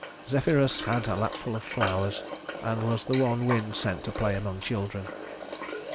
Zephyrus had a lapful of flowers, and was the one wind sent to play among children.